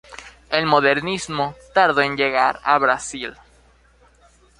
El Modernismo tardó en llegar a Brasil.